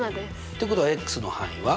ってことはの範囲は？